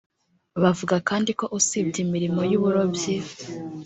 Bavuga kandi ko usibye imirimo y’uburobyi